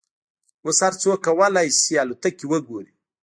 اوس هر څوک کولای شي الوتکې وګوري.